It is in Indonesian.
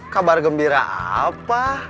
kabar gembira apa